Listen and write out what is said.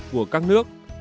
của các nước